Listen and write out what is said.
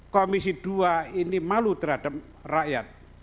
komisi dua ini malu terhadap rakyat